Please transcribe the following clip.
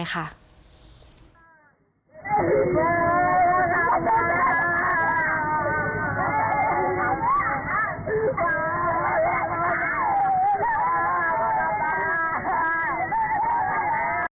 นี้ค่ะลูกชายลูกสาว